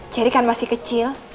cari kan masih kecil